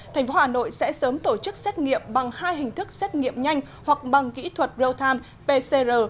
thành phố hà nội sẽ sớm tổ chức xét nghiệm bằng hai hình thức xét nghiệm nhanh hoặc bằng kỹ thuật real time pcr